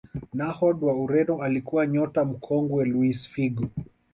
nahod wa ureno alikuwa nyota mkongwe luis Figo